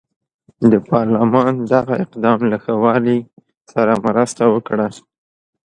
د پارلمان دغه اقدام له ښه والي سره مرسته وکړه.